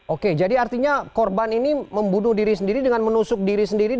oke jadi artinya korban ini membunuh diri sendiri dengan menusuk diri sendiri